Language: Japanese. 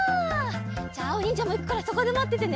じゃああおにんじゃもいくからそこでまっててね。